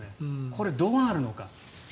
これ、どうなるのか。